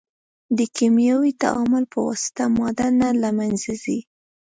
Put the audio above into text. د کیمیاوي تعامل په واسطه ماده نه له منځه ځي.